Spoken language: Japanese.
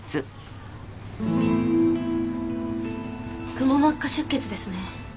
くも膜下出血ですね。